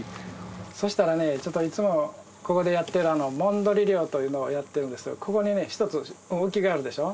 そしたらねちょっといつもここでやってるもんどり漁というのをやってるんですけどここにね１つ浮きがあるでしょ。